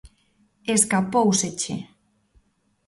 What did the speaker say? Escapóuseche.